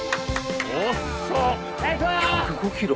遅っ１０５キロ？